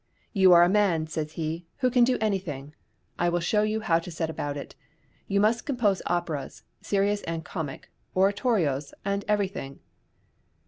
"You are a man," says he, "who can do anything. I will show you how to set about it: you must compose operas, serious and comic, oratorios, and everything."